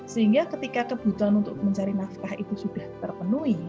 sehingga ketika kebutuhan untuk mencari nafkah itu sudah terpenuhi